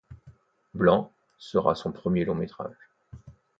Blanc sera son premier long-métrage.